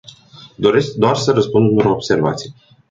Doresc doar să răspund unor observații.